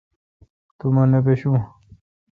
مہ توٹھ نہ پاشوں۔